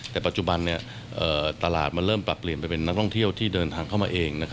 แต่ปัจจุบันตลาดมันเริ่มปรับเปลี่ยนไปเป็นนักท่องเที่ยวที่เดินทางเข้ามาเอง